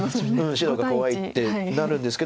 白が怖いってなるんですけど。